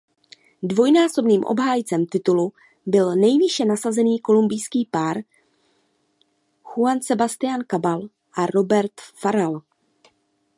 Dvojnásobným obhájcem titulu byl nejvýše nasazený kolumbijský pár Juan Sebastián Cabal a Robert Farah.